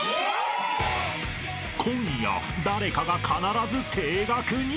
［今夜誰かが必ず停学に！］